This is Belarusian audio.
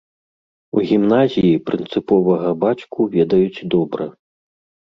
У гімназіі прынцыповага бацьку ведаюць добра.